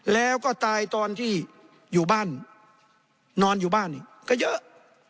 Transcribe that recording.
แล้วก็ตายตอนที่อยู่บ้านนอนอยู่บ้านอีกก็เยอะ